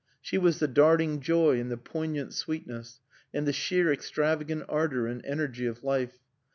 She was the darting joy and the poignant sweetness, and the sheer extravagant ardor and energy of life.